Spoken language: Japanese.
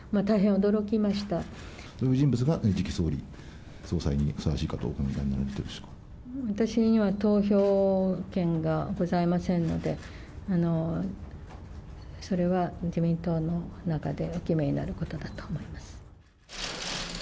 誰が次期総裁にふさわしいと私には投票権がございませんので、それは自民党の中でお決めになることかと思います。